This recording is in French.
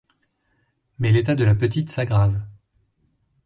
Mais l'état de la petite s'aggrave.